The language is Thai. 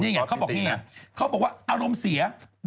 นี่ไงเขาบอกนี่ไงเขาบอกว่าอารมณ์เสีย